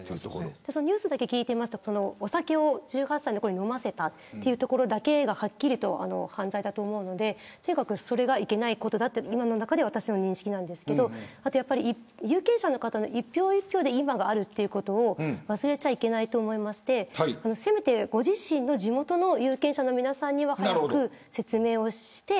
ニュースだけ聞いていますとお酒を１８歳の子に飲ませたことだけがはっきりと犯罪だと思うのでとにかくそれがいけないことだというのが今の私の認識ですが有権者の方の一票一票で今があるということを忘れちゃいけないと思いましてせめて、ご自身の地元の有権者の皆さんには早く説明をして。